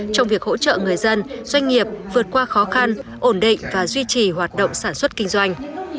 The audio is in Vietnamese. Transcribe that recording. trong việc hỗ trợ người dân doanh nghiệp vượt qua khó khăn ổn định và duy trì hoạt động sản xuất kinh doanh